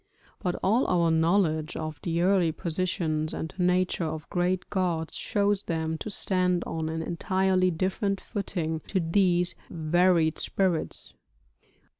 But all our knowledge of the early positions and nature of great gods shows them to stand on an entirely different footing to these varied spirits.